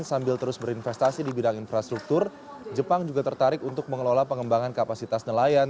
sambil terus berinvestasi di bidang infrastruktur jepang juga tertarik untuk mengelola pengembangan kapasitas nelayan